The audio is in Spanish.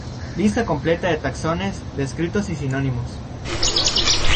Lista completa de taxones descritos y sinónimos